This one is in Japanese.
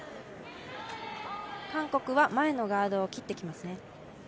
韓国は前のガードを切ってきますね。